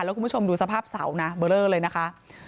แล้วคุณผู้ชมดูสภาพเสานะเบอร์เลอร์เลยนะคะ